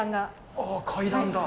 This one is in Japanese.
ああ、階段だ。